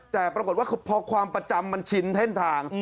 แต่ปรากฏว่าพอความประจำมันชินเส้นทาง